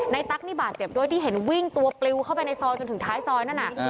ตั๊กนี่บาดเจ็บด้วยที่เห็นวิ่งตัวปลิวเข้าไปในซอยจนถึงท้ายซอยนั่นน่ะ